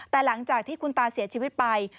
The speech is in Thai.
แต่หลังจากที่คุณตาเสียชีวิตไป